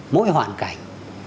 mỗi hoàn cảnh